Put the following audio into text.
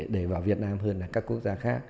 để vào việt nam hơn là các quốc gia khác